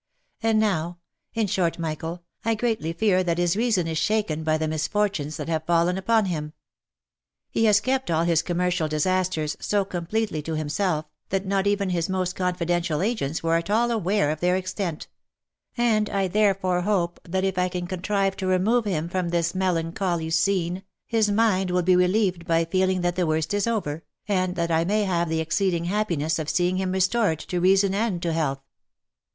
And now — In short, Michael, I greatly fear that his reason is shaken by the misfortunes that have fallen upon him. He has kept all his commercial disasters so completely to him self, that not even his most confidential agents were at all aware of their extent ; and I therefore hope that if T can contrive to remove him from this melancholy scene, his mind will be relieved by feeling that the worst is over, and that I may have the exceeding happiness of seeing him restored to reason and to health."